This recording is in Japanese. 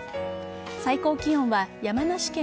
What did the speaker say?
最高気温は山梨県